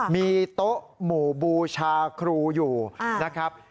มีโต๊ะหมู่บูชาครูอยู่นะครับ